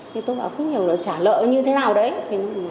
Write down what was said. thì tôi bảo không hiểu là trả lợi như thế nào đấy